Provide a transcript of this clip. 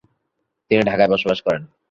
তিনি ঢাকায় বসবাস করেন।